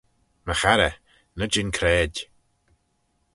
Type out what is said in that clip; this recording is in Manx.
My charrey, ny jean craid.